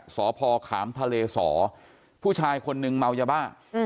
สพขามทะเลสอผู้ชายคนนึงเมายาบ้า